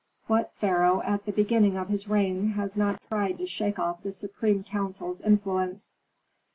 What pharaoh at the beginning of his reign has not tried to shake off the supreme council's influence?"